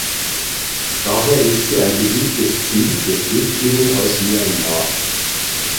Daher ist sie ein beliebtes Ziel für Flüchtlinge aus Myanmar.